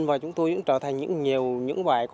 và chúng tôi sẽ trở thành những bài hát đúm này